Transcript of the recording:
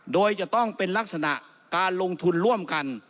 โดยจะต้องเป็นลักษณะการลงทุนร่วมกัน